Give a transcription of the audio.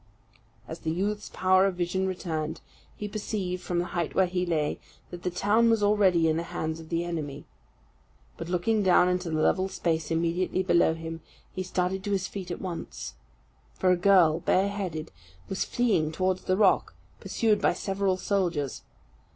As the youth's power of vision returned, he perceived, from the height where he lay, that the town was already in the hands of the enemy. But looking down into the level space immediately below him, he started to his feet at once; for a girl, bare headed, was fleeing towards the rock, pursued by several soldiers.